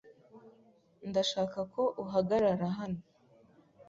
Ndashaka ko uhagarara hano.